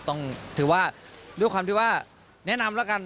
ต้องถือว่าด้วยความที่ว่าแนะนำแล้วกัน